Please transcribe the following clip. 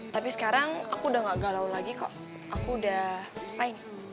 tapi sekarang aku udah gak galau lagi kok aku udah lain